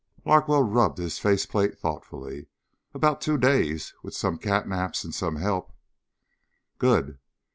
Larkwell rubbed his faceplate thoughtfully. "About two days, with some catnaps and some help." "Good."